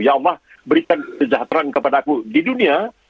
ya allah berikan kesejahteraan kepada aku di dunia